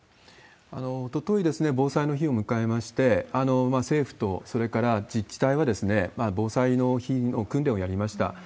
おととい、防災の日を迎えまして、政府と、それから自治体は防災の日の訓練をやりました。